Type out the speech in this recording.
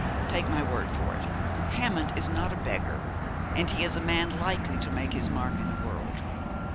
Take my word for it, Hammond is not a beggar, and he is a man likely to make his mark in the world.